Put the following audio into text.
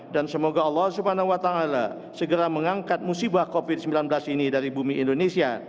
dan semoga allah swt segera mengangkat musibah covid sembilan belas ini dari bumi indonesia